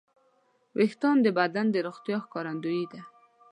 وېښتيان د بدن د روغتیا ښکارندوی دي.